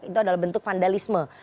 itu adalah bentuk vandalisme